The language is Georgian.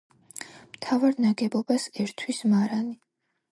მთავარ ნაგებობას ერთვის მარანი.